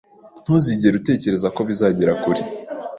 Ntuzigere utekereza ko bizagera kure